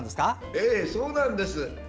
ええ、そうなんです。